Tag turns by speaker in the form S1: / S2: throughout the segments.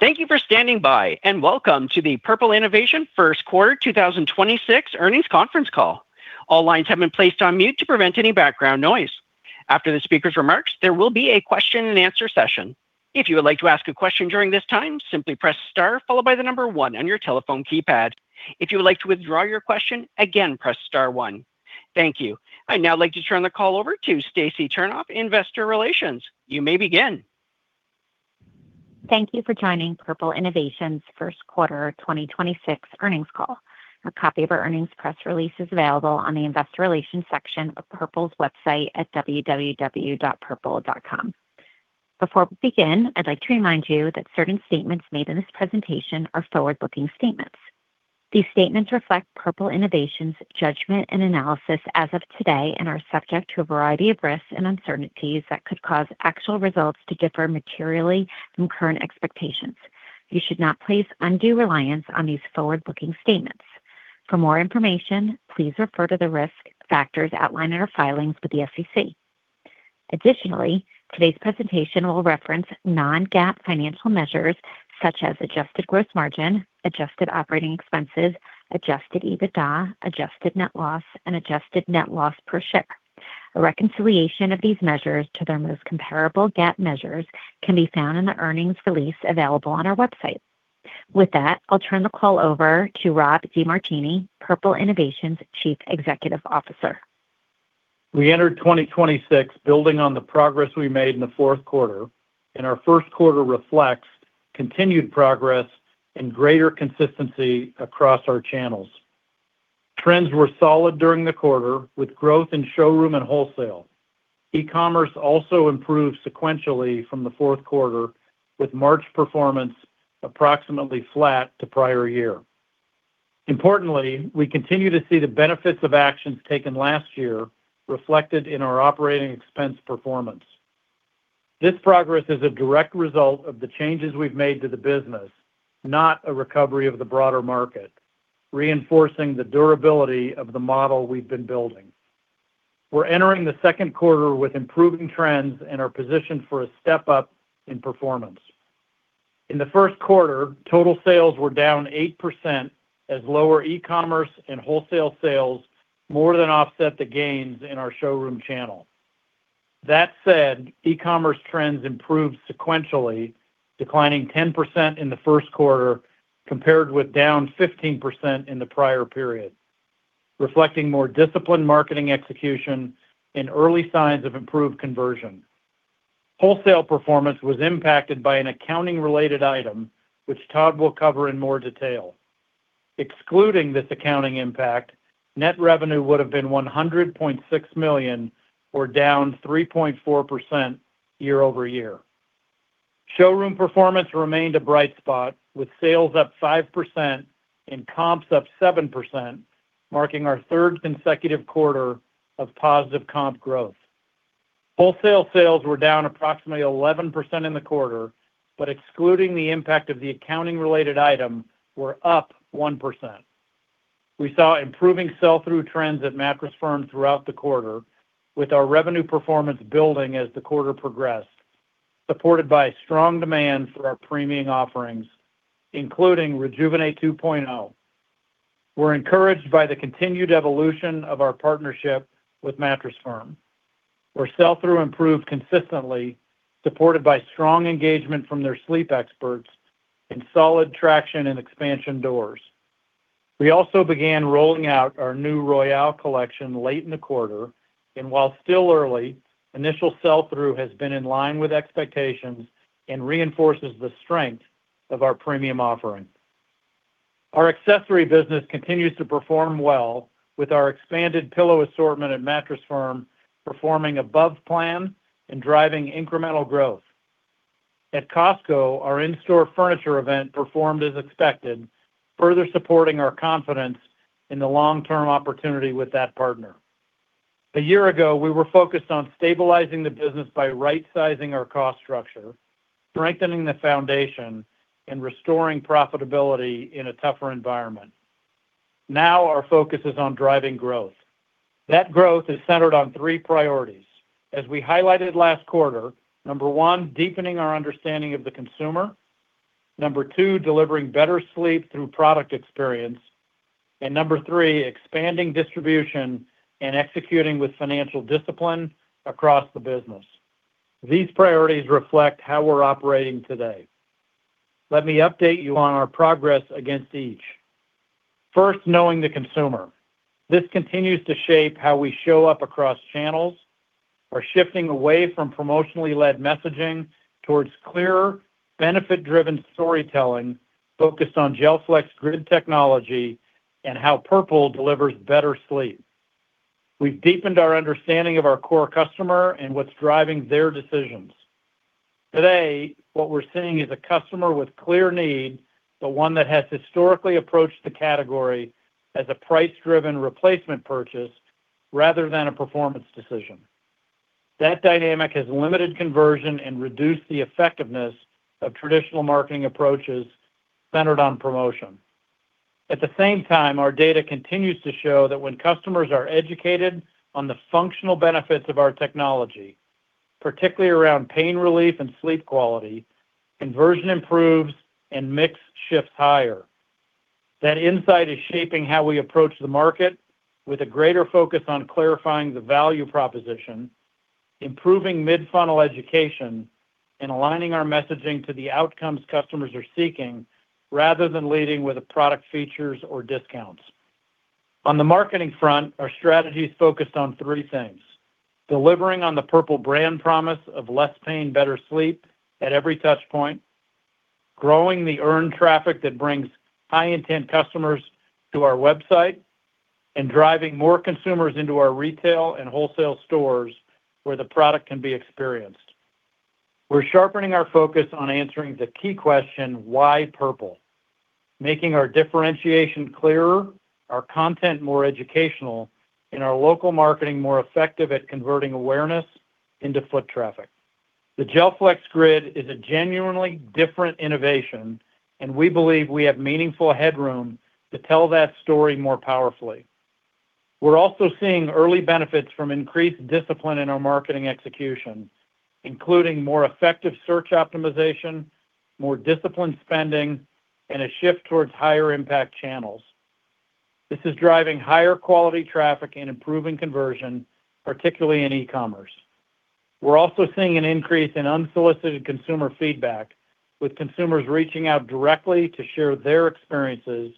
S1: Thank you for standing by, and welcome to the Purple Innovation First Quarter 2026 Earnings Conference call. All lines have been placed on mute to prevent any background noise. After the speaker's remarks, there will be a question-and-answer session. If you would like to ask a question during this time, simply press star one on your telephone keypad. If you would like to withdraw your question, again, press star one. Thank you. I'd now like to turn the call over to Stacy Turnof, Investor Relations. You may begin.
S2: Thank you for joining Purple Innovation's First Quarter 2026 Earnings call. A copy of our earnings press release is available on the Investor Relations section of Purple's website at www.purple.com. Before we begin, I'd like to remind you that certain statements made in this presentation are forward-looking statements. These statements reflect Purple Innovation's judgment and analysis as of today and are subject to a variety of risks and uncertainties that could cause actual results to differ materially from current expectations. You should not place undue reliance on these forward-looking statements. For more information, please refer to the risk factors outlined in our filings with the SEC. Additionally, today's presentation will reference non-GAAP financial measures such as Adjusted Gross Margin, adjusted operating expenses, Adjusted EBITDA, adjusted net loss, and Adjusted Net Loss per share. A reconciliation of these measures to their most comparable GAAP measures can be found in the earnings release available on our website. With that, I'll turn the call over to Rob DeMartini, Purple Innovation's Chief Executive Officer.
S3: We entered 2026 building on the progress we made in the fourth quarter. Our first quarter reflects continued progress and greater consistency across our channels. Trends were solid during the quarter, with growth in showroom and wholesale. E-commerce also improved sequentially from the fourth quarter, with March performance approximately flat to prior year. Importantly, we continue to see the benefits of actions taken last year reflected in our operating expense performance. This progress is a direct result of the changes we've made to the business, not a recovery of the broader market, reinforcing the durability of the model we've been building. We're entering the second quarter with improving trends and are positioned for a step up in performance. In the first quarter, total sales were down 8% as lower e-commerce and wholesale sales more than offset the gains in our showroom channel. That said, e-commerce trends improved sequentially, declining 10% in the first quarter compared with down 15% in the prior period, reflecting more disciplined marketing execution and early signs of improved conversion. Wholesale performance was impacted by an accounting-related item, which Todd will cover in more detail. Excluding this accounting impact, net revenue would have been $100.6 million or down 3.4% year-over-year. Showroom performance remained a bright spot, with sales up 5% and comps up 7%, marking our third consecutive quarter of positive comp growth. Excluding the impact of the accounting-related item, wholesale sales were down approximately 11% in the quarter, but were up 1%. We saw improving sell-through trends at Mattress Firm throughout the quarter, with our revenue performance building as the quarter progressed, supported by strong demand for our premium offerings, including Rejuvenate 2.0. We're encouraged by the continued evolution of our partnership with Mattress Firm, where sell-through improved consistently, supported by strong engagement from their sleep experts and solid traction in expansion doors. We also began rolling out our new Royale collection late in the quarter, and while still early, initial sell-through has been in line with expectations and reinforces the strength of our premium offering. Our accessory business continues to perform well, with our expanded pillow assortment at Mattress Firm performing above plan and driving incremental growth. At Costco, our in-store furniture event performed as expected, further supporting our confidence in the long-term opportunity with that partner. A year ago, we were focused on stabilizing the business by right-sizing our cost structure, strengthening the foundation, and restoring profitability in a tougher environment. Now, our focus is on driving growth. That growth is centered on three priorities. As we highlighted last quarter, number one, deepening our understanding of the consumer, number two, delivering better sleep through product experience, and number three, expanding distribution and executing with financial discipline across the business. These priorities reflect how we're operating today. Let me update you on our progress against each. First, knowing the consumer. This continues to shape how we show up across channels. We're shifting away from promotionally led messaging towards clearer, benefit-driven storytelling focused on GelFlex Grid technology and how Purple delivers better sleep. We've deepened our understanding of our core customer and what's driving their decisions. Today, what we're seeing is a customer with clear need, but one that has historically approached the category as a price-driven replacement purchase rather than a performance decision. That dynamic has limited conversion and reduced the effectiveness of traditional marketing approaches centered on promotion. At the same time, our data continues to show that when customers are educated on the functional benefits of our technology, particularly around pain relief and sleep quality, conversion improves and mix shifts higher. That insight is shaping how we approach the market with a greater focus on clarifying the value proposition, improving mid-funnel education, and aligning our messaging to the outcomes customers are seeking, rather than leading with the product features or discounts. On the marketing front, our strategy is focused on three things: delivering on the Purple brand promise of less pain, better sleep at every touch point, growing the earned traffic that brings high-intent customers to our website, and driving more consumers into our retail and wholesale stores where the product can be experienced. We're sharpening our focus on answering the key question, why Purple? Making our differentiation clearer, our content more educational, and our local marketing more effective at converting awareness into foot traffic. The GelFlex Grid is a genuinely different innovation, and we believe we have meaningful headroom to tell that story more powerfully. We're also seeing early benefits from increased discipline in our marketing execution, including more effective search optimization, more disciplined spending, and a shift towards higher impact channels. This is driving higher quality traffic and improving conversion, particularly in e-commerce. We're also seeing an increase in unsolicited consumer feedback, with consumers reaching out directly to share their experiences,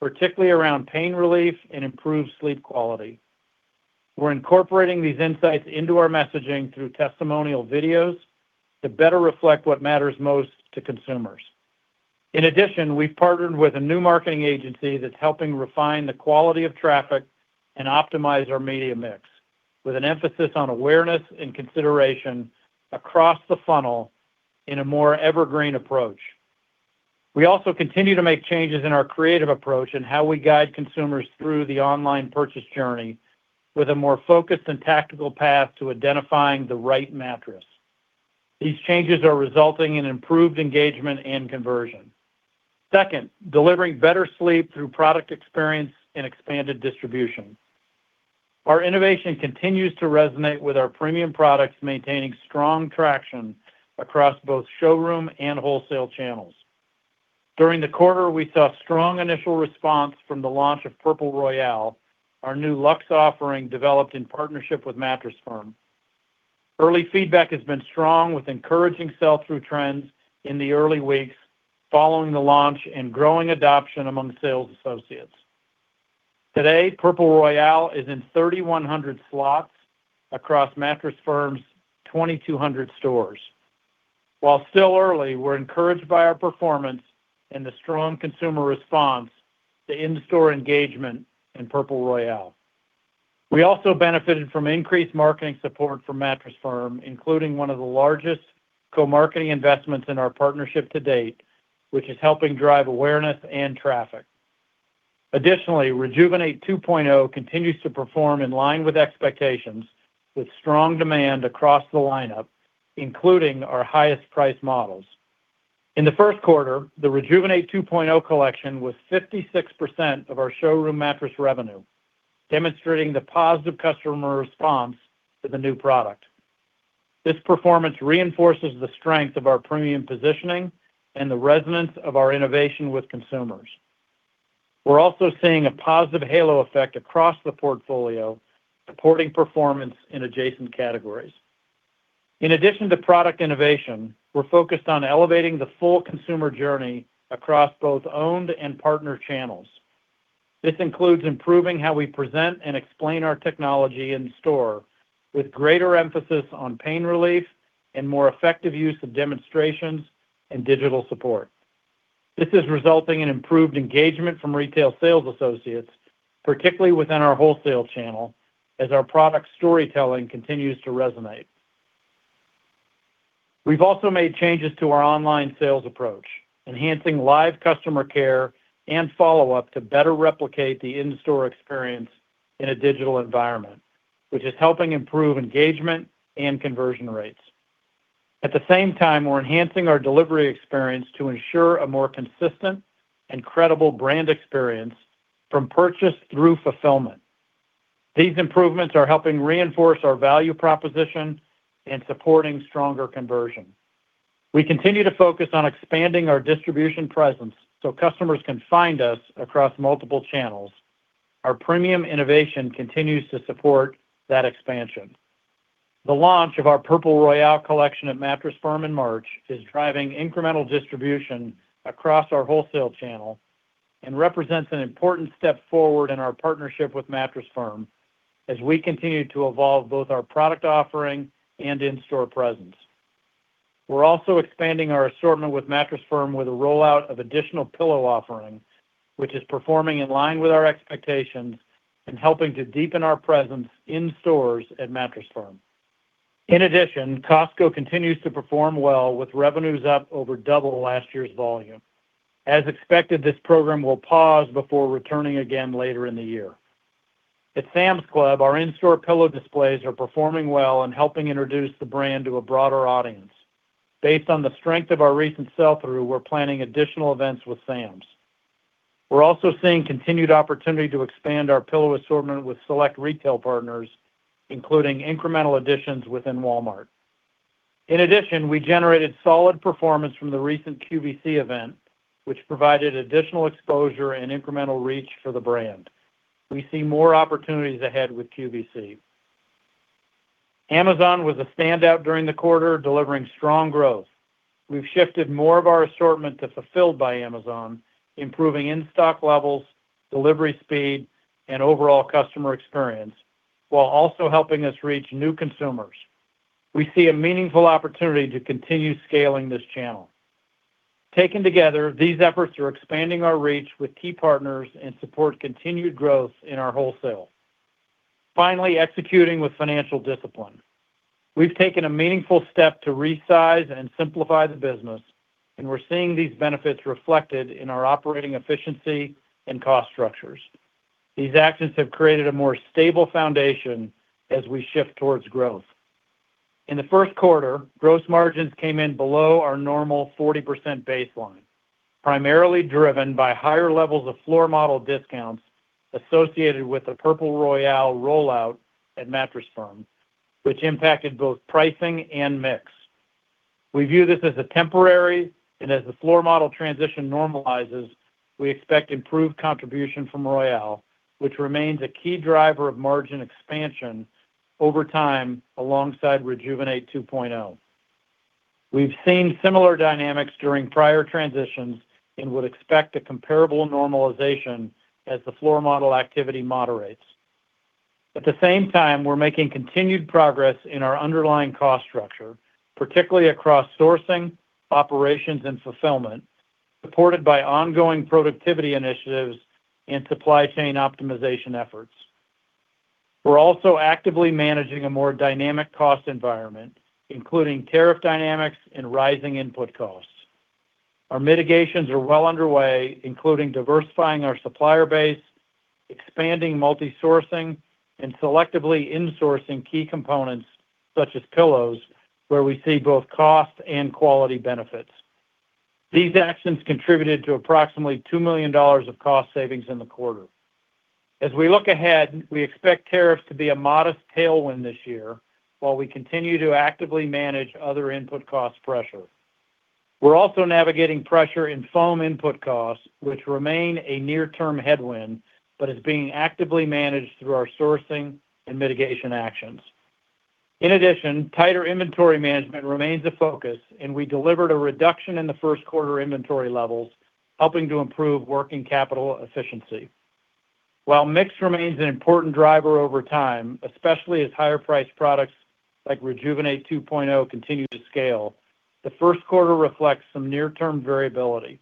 S3: particularly around pain relief and improved sleep quality. We're incorporating these insights into our messaging through testimonial videos to better reflect what matters most to consumers. In addition, we've partnered with a new marketing agency that's helping refine the quality of traffic and optimize our media mix with an emphasis on awareness and consideration across the funnel in a more evergreen approach. We also continue to make changes in our creative approach and how we guide consumers through the online purchase journey with a more focused and tactical path to identifying the right mattress. These changes are resulting in improved engagement and conversion. Second, delivering better sleep through product experience and expanded distribution. Our innovation continues to resonate with our premium products, maintaining strong traction across both showroom and wholesale channels. During the quarter, we saw strong initial response from the launch of Purple Royale, our new luxe offering developed in partnership with Mattress Firm. Early feedback has been strong with encouraging sell-through trends in the early weeks following the launch and growing adoption among sales associates. Today, Purple Royale is in 3,100 slots across Mattress Firm's 2,200 stores. While still early, we're encouraged by our performance and the strong consumer response to in-store engagement in Purple Royale. We also benefited from increased marketing support from Mattress Firm, including one of the largest co-marketing investments in our partnership to date, which is helping drive awareness and traffic. Additionally, Rejuvenate 2.0 continues to perform in line with expectations with strong demand across the lineup, including our highest priced models. In the first quarter, the Rejuvenate 2.0 collection was 56% of our showroom mattress revenue, demonstrating the positive customer response to the new product. This performance reinforces the strength of our premium positioning and the resonance of our innovation with consumers. We're also seeing a positive halo effect across the portfolio, supporting performance in adjacent categories. In addition to product innovation, we're focused on elevating the full consumer journey across both owned and partner channels. This includes improving how we present and explain our technology in store with greater emphasis on pain relief and more effective use of demonstrations and digital support. This is resulting in improved engagement from retail sales associates, particularly within our wholesale channel, as our product storytelling continues to resonate. We've also made changes to our online sales approach, enhancing live customer care and follow-up to better replicate the in-store experience in a digital environment, which is helping improve engagement and conversion rates. At the same time, we're enhancing our delivery experience to ensure a more consistent and credible brand experience from purchase through fulfillment. These improvements are helping reinforce our value proposition and supporting stronger conversion. We continue to focus on expanding our distribution presence so customers can find us across multiple channels. Our premium innovation continues to support that expansion. The launch of our Rejuvenate Royale collection at Mattress Firm in March is driving incremental distribution across our wholesale channel and represents an important step forward in our partnership with Mattress Firm as we continue to evolve both our product offering and in-store presence. We're also expanding our assortment with Mattress Firm with a rollout of additional pillow offering, which is performing in line with our expectations and helping to deepen our presence in stores at Mattress Firm. Costco continues to perform well with revenues up over double last year's volume. As expected, this program will pause before returning again later in the year. At Sam's Club, our in-store pillow displays are performing well and helping introduce the brand to a broader audience. Based on the strength of our recent sell-through, we're planning additional events with Sam's. We're also seeing continued opportunity to expand our pillow assortment with select retail partners, including incremental additions within Walmart. We generated solid performance from the recent QVC event, which provided additional exposure and incremental reach for the brand. We see more opportunities ahead with QVC. Amazon was a standout during the quarter, delivering strong growth. We've shifted more of our assortment to fulfilled by Amazon, improving in-stock levels, delivery speed, and overall customer experience, while also helping us reach new consumers. We see a meaningful opportunity to continue scaling this channel. Taken together, these efforts are expanding our reach with key partners and support continued growth in our wholesale. Finally, executing with financial discipline. We've taken a meaningful step to resize and simplify the business, and we're seeing these benefits reflected in our operating efficiency and cost structures. These actions have created a more stable foundation as we shift towards growth. In the first quarter, gross margins came in below our normal 40% baseline, primarily driven by higher levels of floor model discounts associated with the Purple Royale rollout at Mattress Firm, which impacted both pricing and mix. We view this as a temporary. As the floor model transition normalizes, we expect improved contribution from Royale, which remains a key driver of margin expansion over time alongside Rejuvenate 2.0. We've seen similar dynamics during prior transitions and would expect a comparable normalization as the floor model activity moderates. At the same time, we're making continued progress in our underlying cost structure, particularly across sourcing, operations, and fulfillment, supported by ongoing productivity initiatives and supply chain optimization efforts. We're also actively managing a more dynamic cost environment, including tariff dynamics and rising input costs. Our mitigations are well underway, including diversifying our supplier base, expanding multi-sourcing, and selectively insourcing key components such as pillows, where we see both cost and quality benefits. These actions contributed to approximately $2 million of cost savings in the quarter. As we look ahead, we expect tariffs to be a modest tailwind this year while we continue to actively manage other input cost pressure. We're also navigating pressure in foam input costs, which remain a near-term headwind, but is being actively managed through our sourcing and mitigation actions. In addition, tighter inventory management remains a focus, and we delivered a reduction in the first quarter inventory levels, helping to improve working capital efficiency. While mix remains an important driver over time, especially as higher-priced products like Rejuvenate 2.0 continue to scale, the first quarter reflects some near-term variability.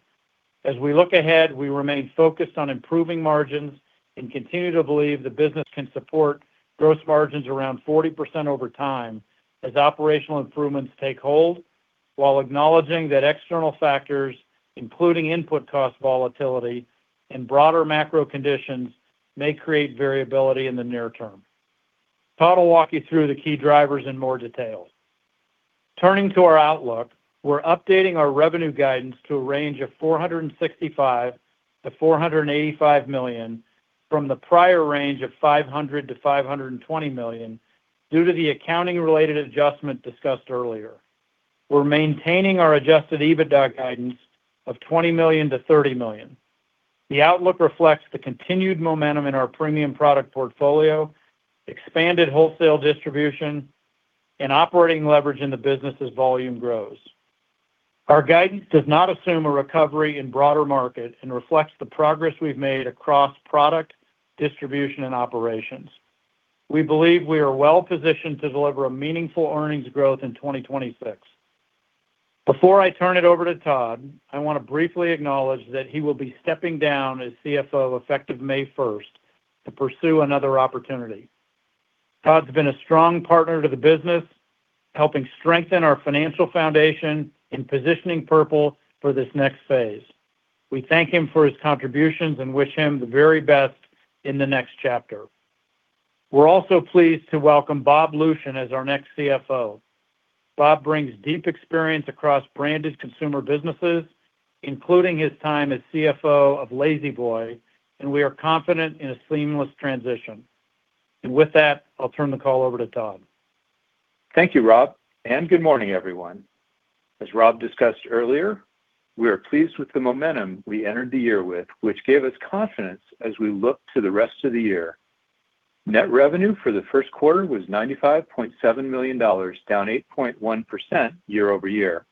S3: As we look ahead, we remain focused on improving margins and continue to believe the business can support gross margins around 40% over time as operational improvements take hold, while acknowledging that external factors, including input cost volatility and broader macro conditions, may create variability in the near term. Todd will walk you through the key drivers in more detail. Turning to our outlook, we're updating our revenue guidance to a range of $465 million to $485 million from the prior range of $500 million to $520 million due to the accounting-related adjustment discussed earlier. We're maintaining our Adjusted EBITDA guidance of $20 million to $30 million. The outlook reflects the continued momentum in our premium product portfolio, expanded wholesale distribution, and operating leverage in the business as volume grows. Our guidance does not assume a recovery in broader market and reflects the progress we've made across product, distribution, and operations. We believe we are well-positioned to deliver a meaningful earnings growth in 2026. Before I turn it over to Todd, I want to briefly acknowledge that he will be stepping down as CFO effective May 1st to pursue another opportunity. Todd's been a strong partner to the business, helping strengthen our financial foundation in positioning Purple for this next phase. We thank him for his contributions and wish him the very best in the next chapter. We're also pleased to welcome Bob G. Lucian as our next CFO. Bob brings deep experience across branded consumer businesses, including his time as CFO of La-Z-Boy, and we are confident in a seamless transition. With that, I'll turn the call over to Todd.
S4: Thank you, Rob, and good morning, everyone. As Rob discussed earlier, we are pleased with the momentum we entered the year with, which gave us confidence as we look to the rest of the year. Net revenue for the first quarter was $95.7 million, down 8.1% year-over-year.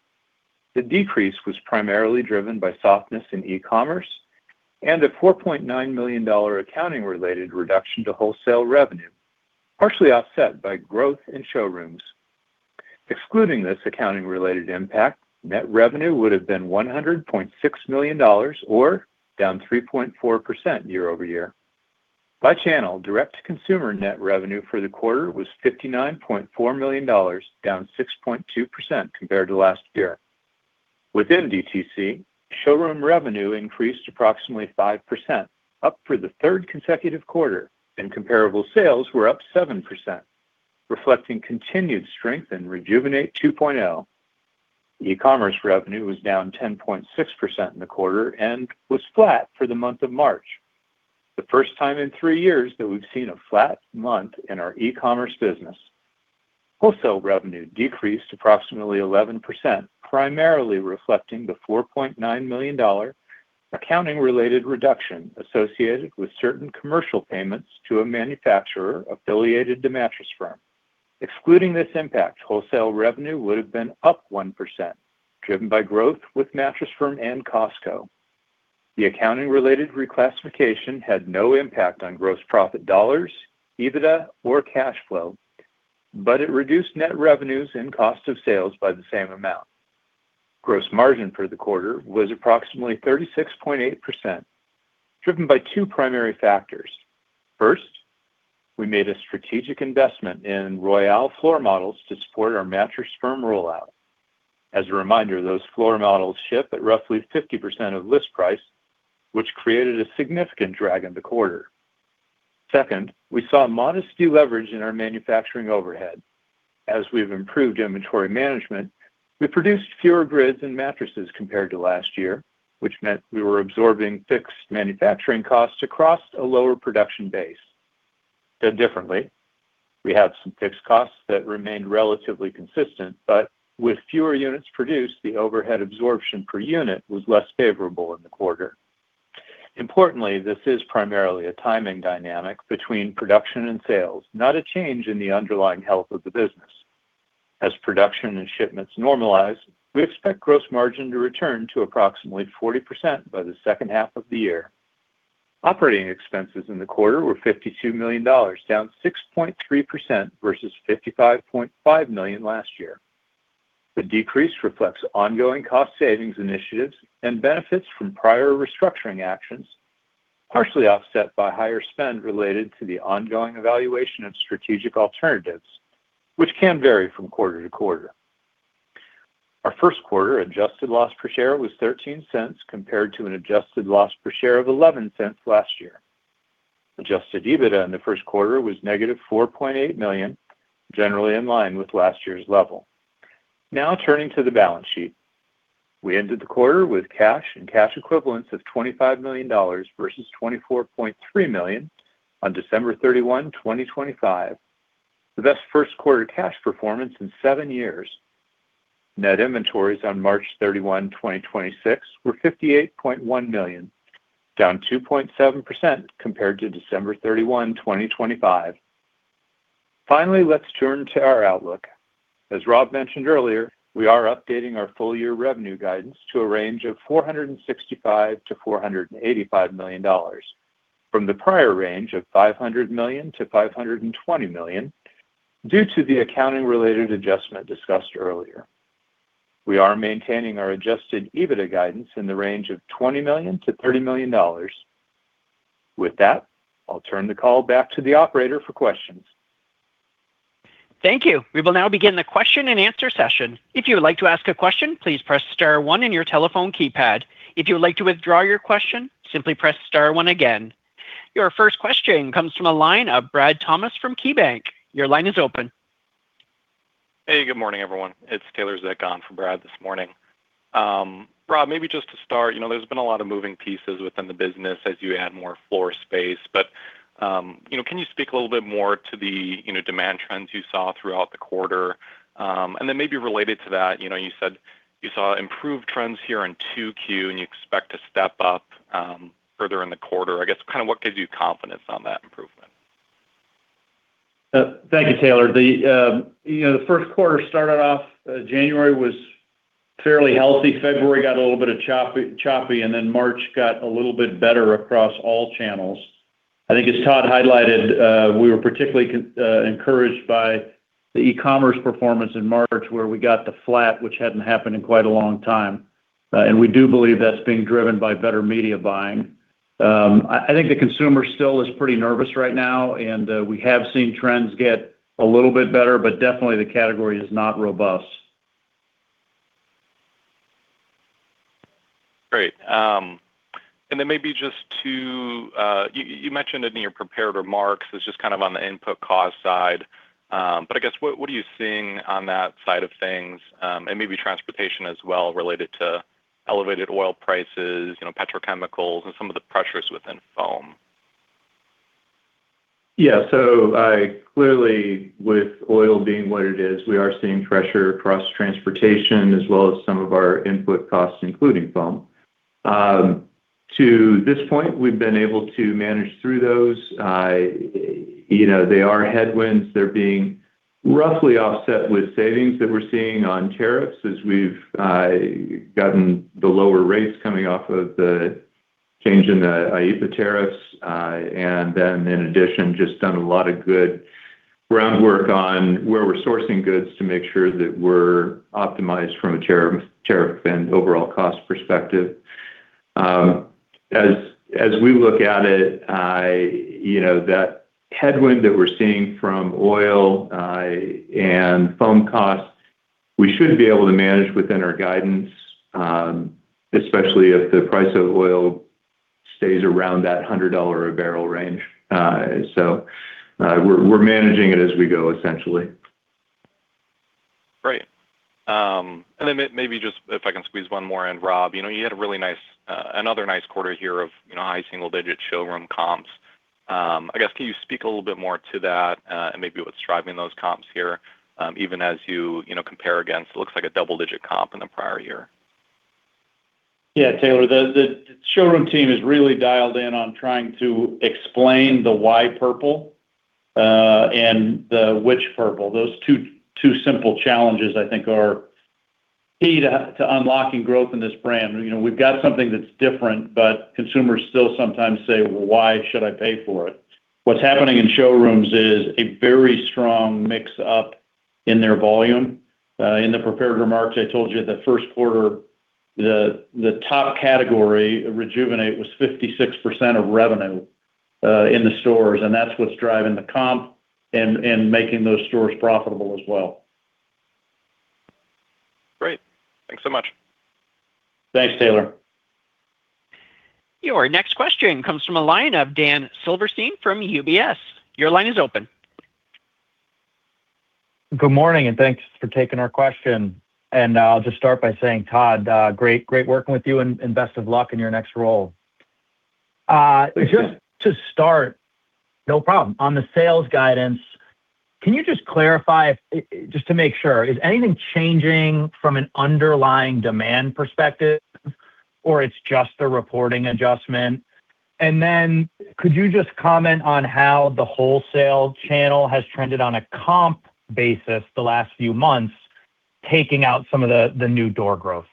S4: The decrease was primarily driven by softness in e-commerce and a $4.9 million accounting-related reduction to wholesale revenue, partially offset by growth in showrooms. Excluding this accounting-related impact, net revenue would have been $100.6 million or down 3.4% year-over-year. By channel, direct-to-consumer net revenue for the quarter was $59.4 million, down 6.2% compared to last year. Within DTC, showroom revenue increased approximately 5%, up for the third consecutive quarter, and comparable sales were up 7% reflecting continued strength in Rejuvenate two point zero. E-commerce revenue was down 10.6% in the quarter and was flat for the month of March, the first time in three years that we've seen a flat month in our e-commerce business. Wholesale revenue decreased approximately 11%, primarily reflecting the $4.9 million accounting-related reduction associated with certain commercial payments to a manufacturer affiliated to Mattress Firm. Excluding this impact, wholesale revenue would have been up 1%, driven by growth with Mattress Firm and Costco. The accounting-related reclassification had no impact on gross profit dollars, EBITDA, or cash flow, but it reduced net revenues and cost of sales by the same amount. Gross margin for the quarter was approximately 36.8%, driven by two primary factors. First, we made a strategic investment in Royale floor models to support our Mattress Firm rollout. As a reminder, those floor models ship at roughly 50% of list price, which created a significant drag in the quarter. Second, we saw modest deleverage in our manufacturing overhead. As we've improved inventory management, we produced fewer grids and mattresses compared to last year, which meant we were absorbing fixed manufacturing costs across a lower production base. Said differently, we have some fixed costs that remained relatively consistent, but with fewer units produced, the overhead absorption per unit was less favourable in the quarter. Importantly, this is primarily a timing dynamic between production and sales, not a change in the underlying health of the business. As production and shipments normalize, we expect gross margin to return to approximately 40% by the second half of the year. Operating expenses in the quarter were $52 million, down 6.3% versus $55.5 million last year. The decrease reflects ongoing cost savings initiatives and benefits from prior restructuring actions, partially offset by higher spend related to the ongoing evaluation of strategic alternatives, which can vary from quarter-to-quarter. Our first quarter Adjusted Net Loss per share was $0.13, compared to an Adjusted Net Loss per share of $0.11 last year. Adjusted EBITDA in the first quarter was -$4.8 million, generally in line with last year's level. Now, turning to the balance sheet. We ended the quarter with cash and cash equivalents of $25 million versus $24.3 million on December 31, 2025, the best first quarter cash performance in seven years. Net inventories on March 31, 2026 were $58.1 million, down 2.7% compared to December 31, 2025. Finally, let's turn to our outlook. As Rob mentioned earlier, we are updating our full year revenue guidance to a range of $465 million to $485 million from the prior range of $500 million to $520 million due to the accounting-related adjustment discussed earlier. We are maintaining our Adjusted EBITDA guidance in the range of $20 million to $30 million. With that, I'll turn the call back to the operator for questions.
S1: Thank you. We will now begin the question-and-answer session. If you would like to ask a question, please press star one in your telephone keypad. If you would like to withdraw your question, simply press star one again. Your first question comes from a line of Brad Thomas from KeyBanc. Your line is open.
S5: Hey, good morning, everyone. It's Taylor Zick on for Brad this morning. Rob, maybe just to start, you know, there's been a lot of moving pieces within the business as you add more floor space. Can you speak a little bit more to the, you know, demand trends you saw throughout the quarter? Maybe related to that, you know, you said you saw improved trends here in 2Q, and you expect to step up further in the quarter. I guess, kind of what gives you confidence on that improvement?
S3: Thank you, Taylor. You know, the first quarter started off, January was fairly healthy. February got a little bit choppy, then March got a little bit better across all channels. I think as Todd highlighted, we were particularly encouraged by the e-commerce performance in March, where we got to flat, which hadn't happened in quite a long time. We do believe that's being driven by better media buying. I think the consumer still is pretty nervous right now, we have seen trends get a little bit better, definitely the category is not robust.
S5: Great. Maybe you mentioned it in your prepared remarks, it's just kind of on the input cost side, but I guess what are you seeing on that side of things, and maybe transportation as well related to elevated oil prices, you know, petrochemicals and some of the pressures within foam?
S3: Yeah. Clearly, with oil being what it is, we are seeing pressure across transportation as well as some of our input costs, including foam. To this point, we've been able to manage through those. You know, they are headwinds. They're being roughly offset with savings that we're seeing on tariffs as we've gotten the lower rates coming off of the change in the IEEPA tariffs. In addition, just done a lot of good groundwork on where we're sourcing goods to make sure that we're optimized from a tariff and overall cost perspective. As we look at it, you know, that headwind that we're seeing from oil and foam costs, we should be able to manage within our guidance, especially if the price of oil stays around that $100 a barrel range. We're managing it as we go, essentially.
S5: Great. Maybe just if I can squeeze one more in, Rob. You know, you had a really nice, another nice quarter here of, you know, high single-digit showroom comps. I guess, can you speak a little bit more to that, and maybe what's driving those comps here, even as you know, compare against it looks like a double-digit comp in the prior year?
S3: Yeah, Taylor, the showroom team has really dialled in on trying to explain the why Purple and the which Purple. Those two simple challenges I think are key to unlocking growth in this brand. You know, we've got something that's different, but consumers still sometimes say, "Well, why should I pay for it?" What's happening in showrooms is a very strong mix up in their volume. In the prepared remarks, I told you the first quarter, the top category of Rejuvenate was 56% of revenue in the stores, and that's what's driving the comp and making those stores profitable as well.
S5: Great. Thanks so much.
S3: Thanks, Taylor.
S1: Your next question comes from a line of Daniel Silverstein from UBS. Your line is open.
S6: Good morning, and thanks for taking our question. I'll just start by saying, Todd, great working with you and best of luck in your next role.
S4: Thank you.
S6: Just to start. No problem. On the sales guidance, can you just clarify, just to make sure, is anything changing from an underlying demand perspective, or it's just a reporting adjustment? Could you just comment on how the wholesale channel has trended on a comp basis the last few months, taking out some of the new door growth?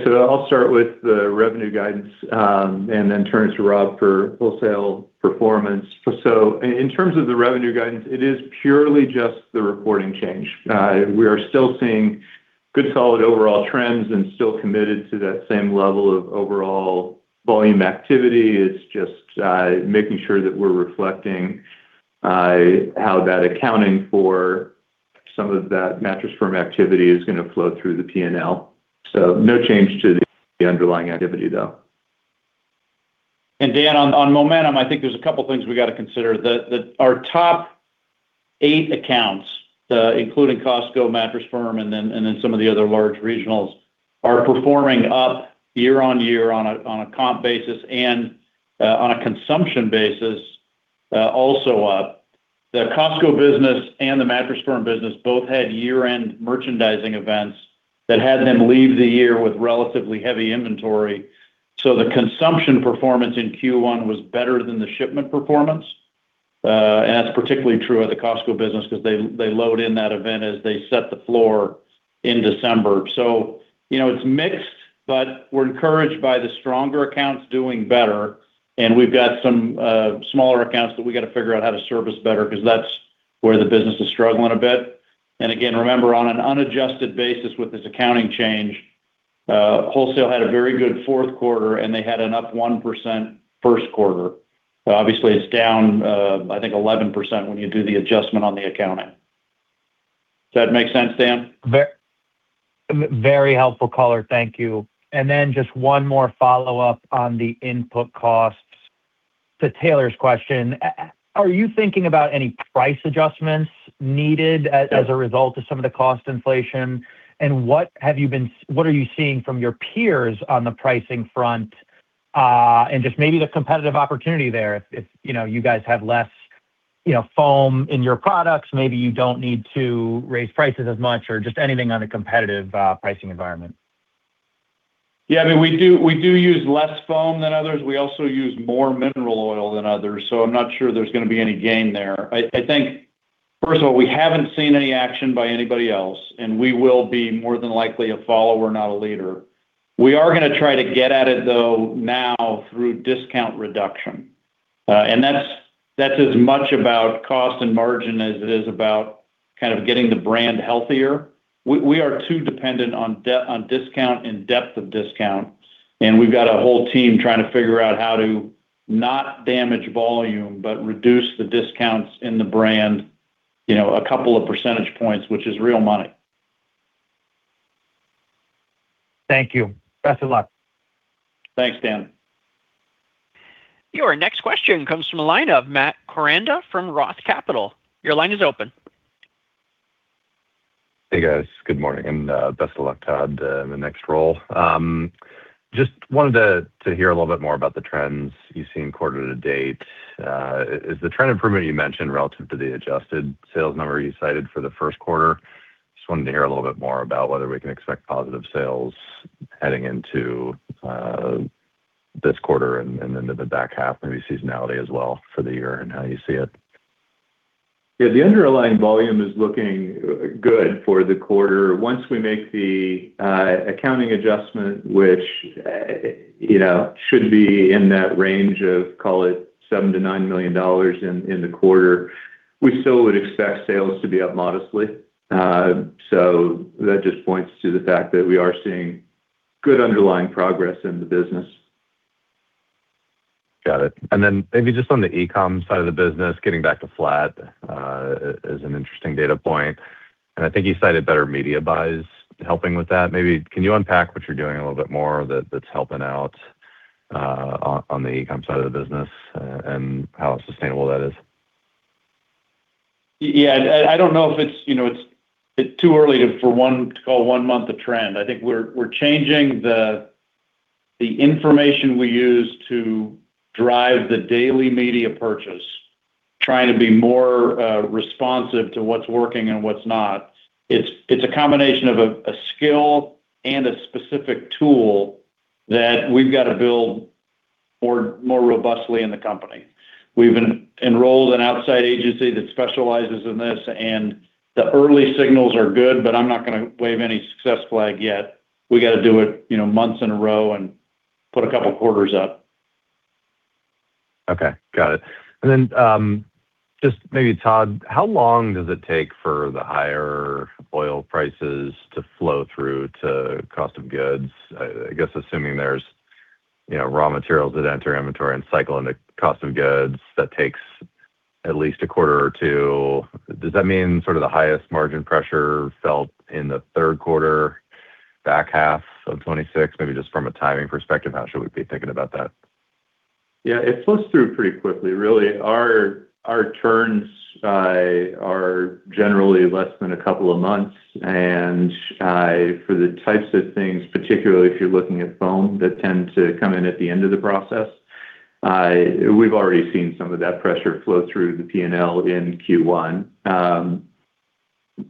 S4: Yeah. I'll start with the revenue guidance, and then turn to Rob for wholesale performance. In terms of the revenue guidance, it is purely just the reporting change. We are still seeing good solid overall trends and still committed to that same level of overall volume activity. It's just making sure that we're reflecting how that accounting for some of that Mattress Firm activity is going to flow through the P&L. No change to the underlying activity though.
S3: Dan, on momentum, I think there's a couple things we gotta consider. Our top eight accounts, including Costco, Mattress Firm, and then some of the other large regionals, are performing up year-on-year on a comp basis, and on a consumption basis, also up. The Costco business and the Mattress Firm business both had year-end merchandising events that had them leave the year with relatively heavy inventory. The consumption performance in Q1 was better than the shipment performance. That's particularly true of the Costco business 'cause they load in that event as they set the floor in December. You know, it's mixed, but we're encouraged by the stronger accounts doing better, and we've got some smaller accounts that we gotta figure out how to service better 'cause that's where the business is struggling a bit. Again, remember on an unadjusted basis with this accounting change, wholesale had a very good fourth quarter, and they had an up 1% first quarter. Obviously, it's down, I think 11% when you do the adjustment on the accounting. Does that make sense, Dan?
S6: Very helpful color. Thank you. Just one more follow-up on the input costs to Taylor's question. Are you thinking about any price adjustments needed as-
S3: Yeah
S6: as a result of some of the cost inflation? What are you seeing from your peers on the pricing front, and just maybe the competitive opportunity there if, you know, you guys have less, you know, foam in your products, maybe you don't need to raise prices as much or just anything on a competitive pricing environment?
S3: Yeah. I mean, we do use less foam than others. We also use more mineral oil than others, so I'm not sure there's going to be any gain there. I think first of all, we haven't seen any action by anybody else, and we will be more than likely a follower, not a leader. We are going to try to get at it though now through discount reduction. That's as much about cost and margin as it is about kind of getting the brand healthier. We are too dependent on discount and depth of discount, and we've got a whole team trying to figure out how to not damage volume, but reduce the discounts in the brand, you know, a couple of percentage points, which is real money.
S6: Thank you. Best of luck.
S3: Thanks, Dan.
S1: Your next question comes from a line of Matt Koranda from Roth Capital. Your line is open.
S7: Hey, guys. Good morning, and best of luck, Todd, in the next role. Just wanted to hear a little bit more about the trends you've seen quarter-to-date. Is the trend improvement you mentioned relative to the adjusted sales number you cited for the first quarter? Just wanted to hear a little bit more about whether we can expect positive sales heading into this quarter and into the back half, maybe seasonality as well for the year and how you see it.
S4: Yeah, the underlying volume is looking good for the quarter. Once we make the accounting adjustment, which, you know, should be in that range of, call it $7 million to $9 million in the quarter, we still would expect sales to be up modestly. That just points to the fact that we are seeing good underlying progress in the business.
S7: Got it. Then maybe just on the e-com side of the business, getting back to flat, is an interesting data point. I think you cited better media buys helping with that. Maybe can you unpack what you're doing a little bit more that's helping out on the e-com side of the business and how sustainable that is?
S3: Yeah. I don't know if it's, you know, it's too early to, for one, to call one month a trend. I think we're changing the information we use to drive the daily media purchase, trying to be more responsive to what's working and what's not. It's, it's a combination of a skill and a specific tool that we've got to build more, more robustly in the company. We've enrolled an outside agency that specializes in this, and the early signals are good, but I'm not gonna wave any success flag yet. We got to do it, you know, months in a row and put a couple quarters up.
S7: Okay. Got it. Just maybe Todd, how long does it take for the higher oil prices to flow through to cost of goods? I guess assuming there's, you know, raw materials that enter inventory and cycle into cost of goods, that takes at least a quarter or two. Does that mean sort of the highest margin pressure felt in the third quarter, back half of 2026? Maybe just from a timing perspective, how should we be thinking about that?
S4: Yeah, it flows through pretty quickly, really. Our turns are generally less than a couple of months. For the types of things, particularly if you're looking at foam, that tend to come in at the end of the process, we've already seen some of that pressure flow through the P&L in Q1.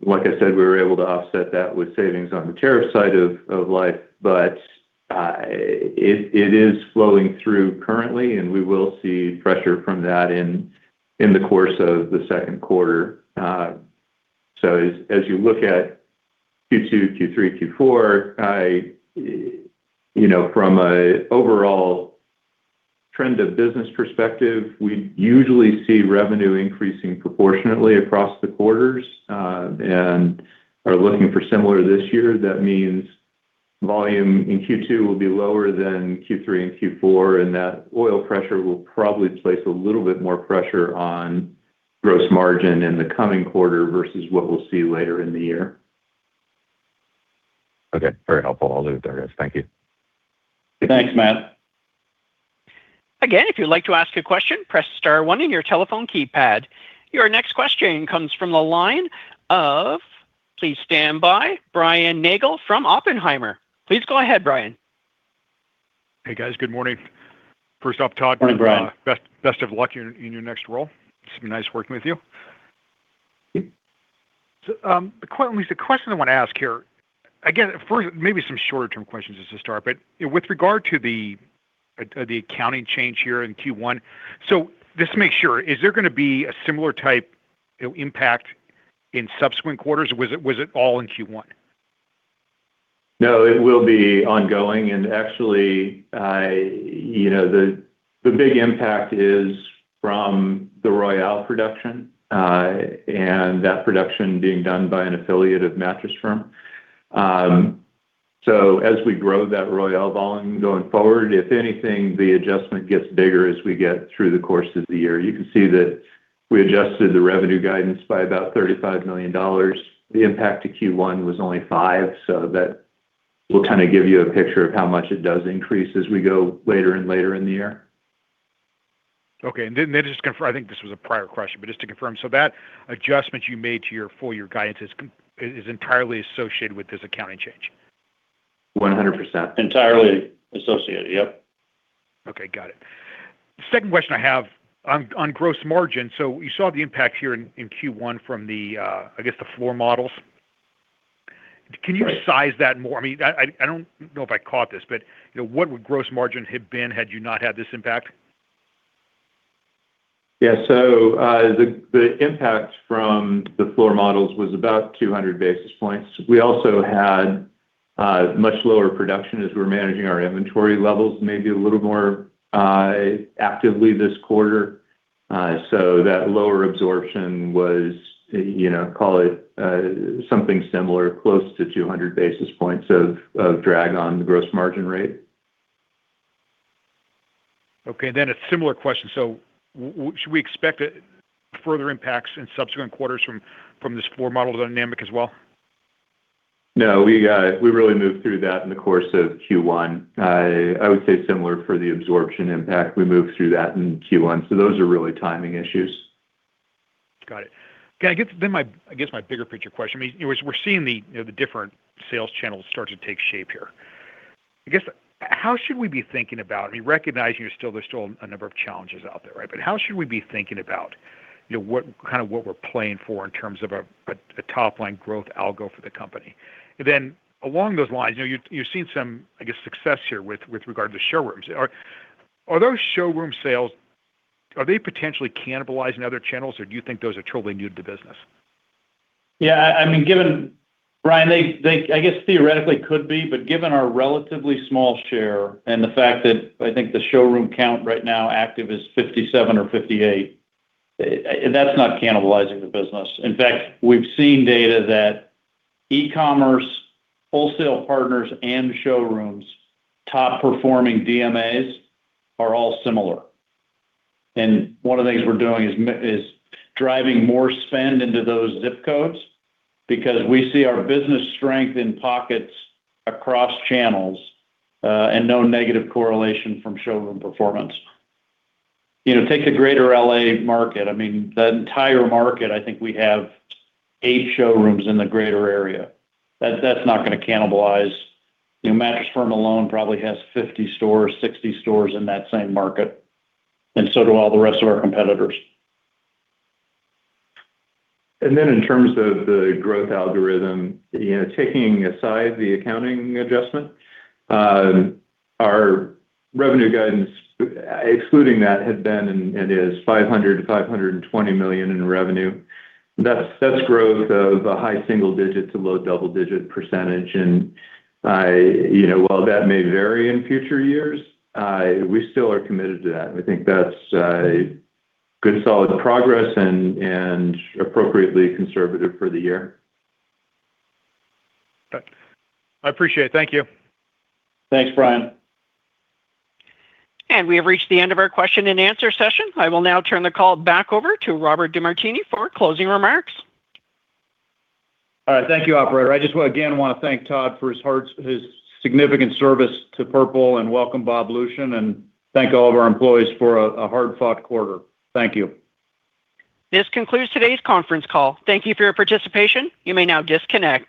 S4: Like I said, we were able to offset that with savings on the tariff side of life, it is flowing through currently, and we will see pressure from that in the course of the second quarter. As you look at Q2, Q3, Q4, you know, from an overall trend of business perspective, we usually see revenue increasing proportionately across the quarters, are looking for similar this year. That means volume in Q2 will be lower than Q3 and Q4. That oil pressure will probably place a little bit more pressure on gross margin in the coming quarter versus what we'll see later in the year.
S7: Okay. Very helpful. I'll leave it there, guys. Thank you.
S4: Thanks, Matt.
S1: Again, if you'd like to ask a question, press star one on your telephone keypad. Your next question comes from the line of, please stand by, Brian Nagel from Oppenheimer. Please go ahead, Brian.
S8: Hey, guys. Good morning. First off, Todd-
S4: Morning, Brian.
S8: best of luck in your next role. It's been nice working with you. There's a question I wanna ask here. Again, first maybe some shorter-term questions just to start, but with regard to the accounting change here in Q1, so just to make sure, is there gonna be a similar type, you know, impact in subsequent quarters, or was it all in Q1?
S4: No, it will be ongoing. You know, the big impact is from the Royale production, and that production being done by an affiliate of Mattress Firm. As we grow that Royale volume going forward, if anything, the adjustment gets bigger as we get through the course of the year. You can see that we adjusted the revenue guidance by about $35 million. The impact to Q1 was only $5 million. That will kind of give you a picture of how much it does increase as we go later and later in the year.
S8: Okay. Then just confirm, I think this was a prior question, just to confirm, that adjustment you made to your full year guidance is entirely associated with this accounting change?
S4: 100%.
S3: Entirely associated. Yep.
S8: Okay. Got it. Second question I have on gross margin. You saw the impact here in Q1 from the, I guess, the floor models.
S4: Right.
S8: Can you size that more? I mean, I don't know if I caught this, but, you know, what would gross margin have been had you not had this impact?
S4: Yeah. The impact from the floor models was about 200 basis points. We also had much lower production as we're managing our inventory levels maybe a little more actively this quarter. That lower absorption was, you know, call it, something similar, close to 200 basis points of drag on the gross margin rate.
S8: Okay. A similar question. Should we expect further impacts in subsequent quarters from this floor model dynamic as well?
S4: No. We, we really moved through that in the course of Q1. I would say similar for the absorption impact, we moved through that in Q1. Those are really timing issues.
S8: Got it. Okay. I guess then my, I guess my bigger picture question, I mean, you know, as we're seeing the, you know, the different sales channels start to take shape here. I mean, recognizing you're still, there's still a number of challenges out there, right? How should we be thinking about, you know, what, kind of what we're playing for in terms of a, a top-line growth algorithm for the company? Along those lines, you've seen some, I guess, success here with regard to showrooms. Are those showroom sales, are they potentially cannibalizing other channels, or do you think those are totally new to the business?
S3: I mean, given, Brian, they, I guess, theoretically could be, but given our relatively small share and the fact that I think the showroom count right now active is 57 or 58, that's not cannibalizing the business. In fact, we've seen data that e-commerce, wholesale partners, and showrooms' top-performing DMAs are all similar. One of the things we're doing is driving more spend into those zip codes because we see our business strength in pockets across channels, and no negative correlation from showroom performance. You know, take the Greater L.A. market. I mean, the entire market, I think we have eight showrooms in the greater area. That, that's not gonna cannibalize. You know, Mattress Firm alone probably has 50 stores, 60 stores in that same market, and so do all the rest of our competitors.
S4: Then in terms of the growth algorithm, you know, taking aside the accounting adjustment, our revenue guidance, excluding that, had been and is $500 million to $520 million in revenue. That's growth of a high single digit to low double digit percentage. You know, while that may vary in future years, we still are committed to that. We think that's a good solid progress and appropriately conservative for the year.
S8: Okay. I appreciate it. Thank you.
S3: Thanks, Brian.
S1: We have reached the end of our question-and-answer session. I will now turn the call back over to Robert DeMartini for closing remarks.
S3: All right. Thank you, operator. I just wanna, again, wanna thank Todd for his hard, his significant service to Purple, and welcome Bob G. Lucian, and thank all of our employees for a hard-fought quarter. Thank you.
S1: This concludes today's conference call. Thank you for your participation. You may now disconnect.